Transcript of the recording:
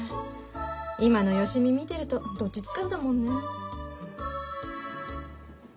今の芳美見てるとどっちつかずだもんね。